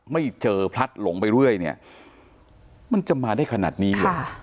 ไม่เจอพลัดหลงไปเรื่อยเนี่ยมันจะมาได้ขนาดนี้เหรอ